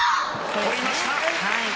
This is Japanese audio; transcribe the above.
取りました。